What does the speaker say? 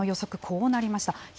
こうなりました。